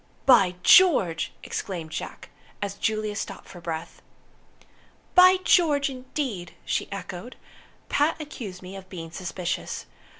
"By George!" exclaimed Jack, as Juliet stopped for breath. "By George, indeed!" she echoed. "Pat accused me of being suspicious.